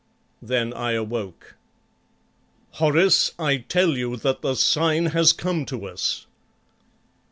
Then I awoke. "Horace, I tell you that the sign has come to us."